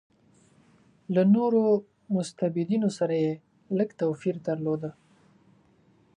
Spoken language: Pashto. له نورو مستبدینو سره یې لږ توپیر درلود.